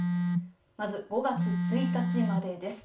まず５月１日までです。